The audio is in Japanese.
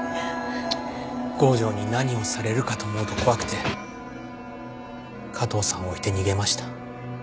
郷城に何をされるかと思うと怖くて加藤さんを置いて逃げました。